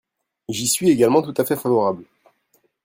J’y suis également tout à fait favorable.